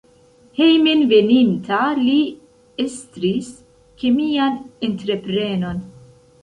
Hejmenveninta li estris kemian entreprenon.